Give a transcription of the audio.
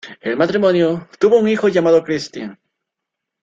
El matrimonio tuvo un hijo llamado Christian.